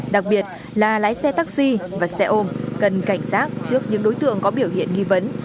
đặc biệt là lái xe taxi và xe ôm cần cảnh giác trước những đối tượng có biểu hiện nghi vấn